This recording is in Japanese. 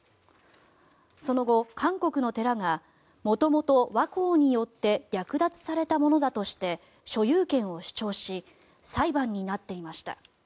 その後、韓国の寺が元々、倭寇によって略奪されたものだとして所有権を主張し裁判になっていました。